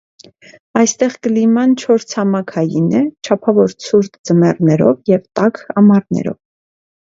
Այստեղ կլիման չորցամաքային է, չափավոր ցուրտ ձմեռներով և տաք ամառներով։